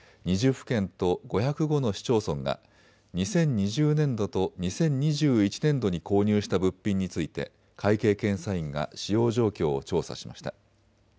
府県と５０５の市町村が２０２０年度と２０２１年度に購入した物品について会計検査院が使用状況を調査しました。